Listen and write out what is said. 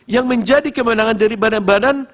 yang menjadi kewenangan dari badan badan